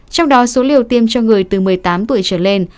trong đó số liều tiêm cho người từ một mươi tám tuổi trở lên